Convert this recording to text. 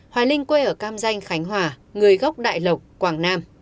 hoài linh quê ở cam danh khánh hòa người gốc đại lộc quảng nam